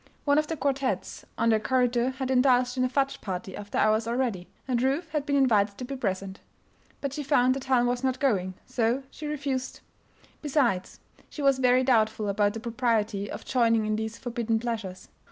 One of the quartettes on their corridor had indulged in a fudge party after hours already, and Ruth had been invited to be present. But she found that Helen was not going, so she refused. Besides, she was very doubtful about the propriety of joining in these forbidden pleasures.